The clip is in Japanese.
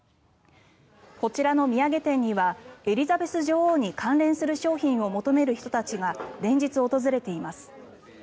こちらの土産店にはエリザベス女王に関連する商品を求める人たちが連日訪れています。